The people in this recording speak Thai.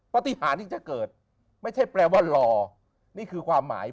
ปฏิหารที่ถ้าเกิดไม่ใช่แปลว่ารอนี่คือความหมาย